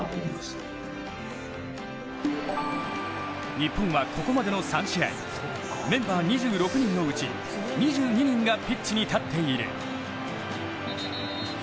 日本はここまでの３試合メンバー２６人のうち２２人がピッチに立っている。